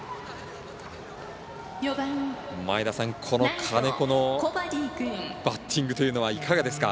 前田さん、この金子のバッティングというのはいかがですか？